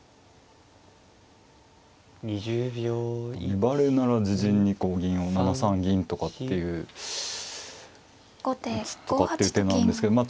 粘るなら自陣にこう銀を７三銀とかっていう打つとかっていう手なんですけどま